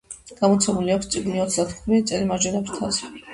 გამოცემული აქვს წიგნი „ოცდათხუთმეტი წელი მარჯვენა ფრთაზე“.